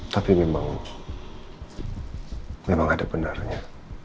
tapi memang ada benarnya